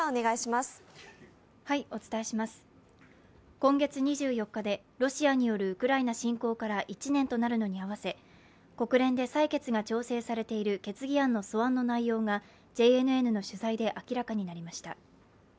今月２４日でロシアによるウクライナ侵攻から１年となるのに合わせ、国連で採決が調整されている決議案の素案の内容がＪＮＮの取材で明らかになりました。